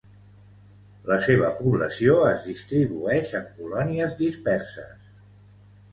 La seva població es distribueix en colònies disperses.